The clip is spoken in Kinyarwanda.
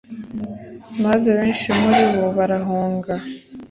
maze benshi muri bo barahunga